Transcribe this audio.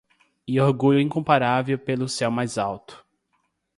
E orgulho incomparável pelo céu mais alto